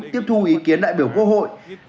tiếp thu ý kiến đại biểu quốc hội